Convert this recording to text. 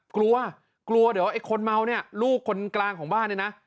กลัวกลัวเดี๋ยวไอ้คนเมาเนี่ยลูกคนกลางของบ้านเนี่ยนะ